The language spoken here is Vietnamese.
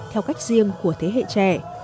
theo cách riêng của thế hệ trẻ